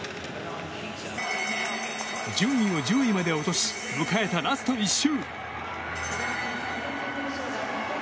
順位を１０位まで落とし迎えたラスト１周。